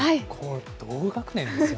同学年ですよね。